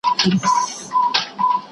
د اې ای مرکزونه ډېره برېښنا کاروي.